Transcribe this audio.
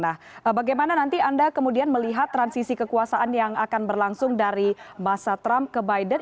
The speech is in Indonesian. nah bagaimana nanti anda kemudian melihat transisi kekuasaan yang akan berlangsung dari masa trump ke biden